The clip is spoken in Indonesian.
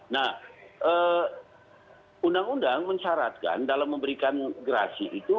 nah undang undang mensyaratkan dalam memberikan gerasi itu